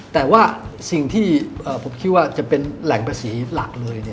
แต่ว่าสิ่งที่ผมคิดว่าจะเป็นแหล่งภาษีหลักเลย